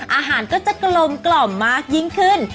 อาหารก็จะกรมมายิ่งขึ้น